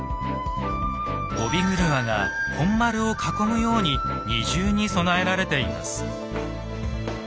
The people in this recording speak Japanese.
帯曲輪が本丸を囲むように二重に備えられています。